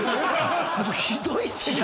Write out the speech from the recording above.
もうひどい先生。